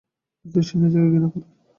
দ্বিতীয়ত সে নিজেকে ঘৃণা করে।